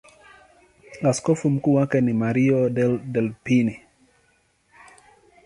Askofu mkuu wake ni Mario Delpini.